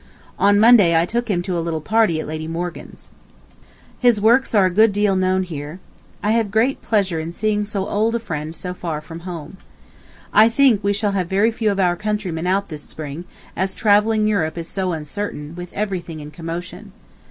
On Monday I took him to a little party at Lady Morgan's. His works are a good deal known here. I have great pleasure in seeing so old a friend so far from home. ... I think we shall have very few of our countrymen out this spring, as travelling Europe is so uncertain, with everything in commotion.